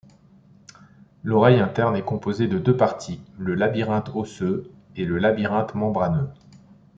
L'oreille interne est composée de deux parties: le labyrinthe osseux et le labyrinthe membraneux.